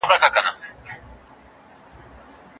موږ باید غږیزه ککړتیا کمه کړو.